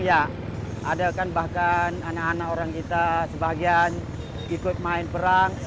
ada kan bahkan anak anak orang kita sebagian ikut main perang